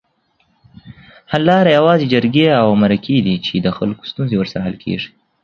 حل لاره یوازې جرګې اومرکي دي چي دخلګوستونزې ورسره حل کیږي